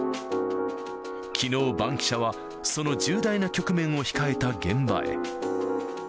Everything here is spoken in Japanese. きのう、バンキシャはその重大な局面を控えた現場へ。